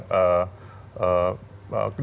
dari mana saja